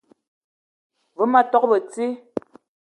Ve ma tok beti